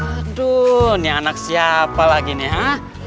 aduh ini anak siapa lagi nih ya